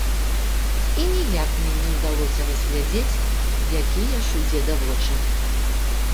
І ніяк мне не ўдавалася разгледзець, якія ж у дзеда вочы.